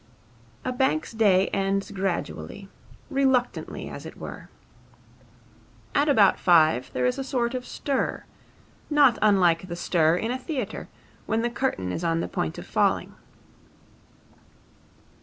A bank's day ends gradually, reluctantly, as it were. At about five there is a sort of stir, not unlike the stir in a theatre when the curtain is on the point of falling.